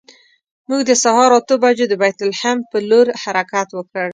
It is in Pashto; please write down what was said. موږ د سهار اتو بجو د بیت لحم پر لور حرکت وکړ.